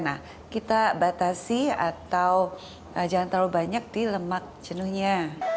nah kita batasi atau jangan terlalu banyak di lemak jenuhnya